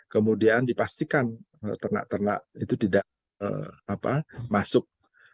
kemudian dipastikan ternak ternak itu tidak masuk